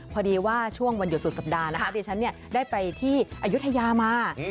พอดีว่าช่วงวันหยุดสุดสัปดาห์นะคะดิฉันได้ไปที่อายุทยามา